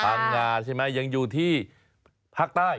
งงาใช่ไหมยังอยู่ที่ภาคใต้